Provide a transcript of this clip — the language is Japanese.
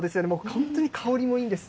本当に香りもいいんです。